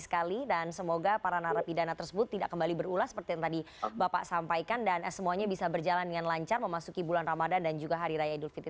sekali dan semoga para narapidana tersebut tidak kembali berulah seperti yang tadi bapak sampaikan dan semuanya bisa berjalan dengan lancar memasuki bulan ramadan dan juga hari raya idul fitri